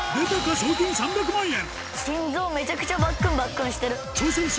賞金３００万円！